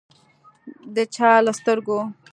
د چا له سترګو